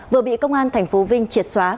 vừa bị công an tp vinh triệt xóa